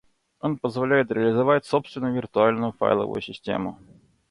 Он позволяет реализовать собственную виртуальную файловую систему